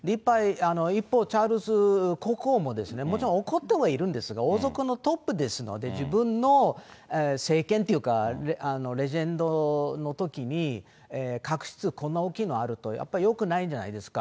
一方、チャールズ国王も、もちろん怒ってはいるんですが、王族のトップですので、自分の政権っていうか、レジェンドのときに、確執こんな大きいのあると、やっぱりよくないじゃないですか。